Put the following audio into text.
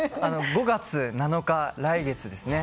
５月７日、来月ですね。